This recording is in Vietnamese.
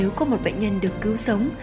nếu có một bệnh nhân được cứu sống